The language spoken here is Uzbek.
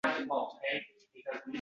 Sport salomatlik garoving